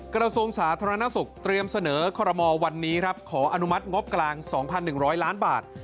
กระทรวงสาธารณสุขเตรียมเสนอคอรมอลวันนี้ครับขออนุมัติงบกลาง๒๑๐๐ล้านบาท